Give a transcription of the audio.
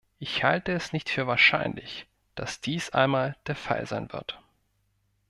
Ich halte es nicht für wahrscheinlich, dass dies einmal der Fall sein wird.